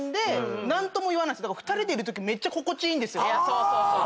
そうそうそう。